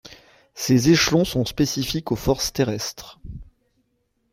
Ces échelons sont spécifiques aux forces terrestres.